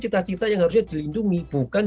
cita cita yang harusnya dilindungi bukan